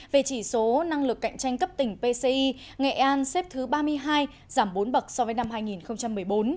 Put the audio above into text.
về chỉ số năng lực cạnh tranh cấp tỉnh pci nghệ an xếp thứ ba mươi hai giảm bốn bậc so với năm hai nghìn một mươi bốn